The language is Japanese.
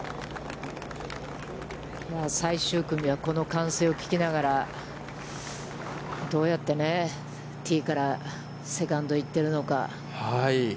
最終組は、この歓声を聞きながら、どうやってティーからセカンドに行っているのか。